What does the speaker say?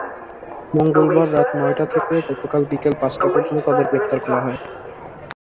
মঙ্গলবার রাত নয়টা থেকে গতকাল বিকেল পাঁচটা পর্যন্ত তাঁদের গ্রেপ্তার করা হয়।